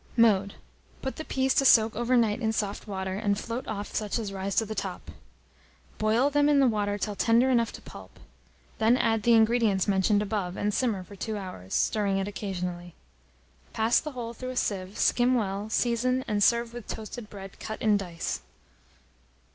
Mode. Put the peas to soak over night in soft water, and float off such as rise to the top. Boil them in the water till tender enough to pulp; then add the ingredients mentioned above, and simmer for 2 hours, stirring it occasionally. Pass the whole through a sieve, skim well, season, and serve with toasted bread cut in dice.